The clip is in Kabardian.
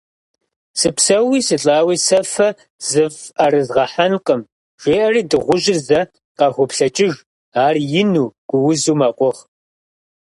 Сыпсэууи сылӀауи сэ фэ зыфӀэрызгъэхьэнкъым! - жеӀэри дыгъужьыр зэ къахуоплъэкӀыж, ар ину, гуузу мэкъугъ.